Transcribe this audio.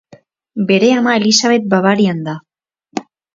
Bere ama Elisabet Bavarian da.